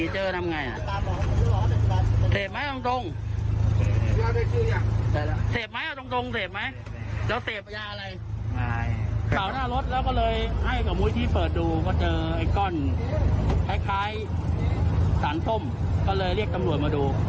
เจ้าตัวเค้าจะยืนยันใช่ไหม